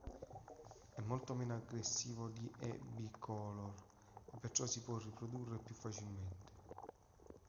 È molto meno aggressivo di "E. bicolor" e perciò si può riprodurre più facilmente.